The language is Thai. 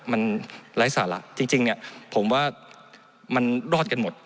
มันไร้สาระจริงเนี่ยผมว่ามันรอดกันหมด